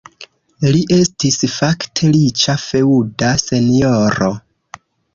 Li estis fakte riĉa feŭda senjoro.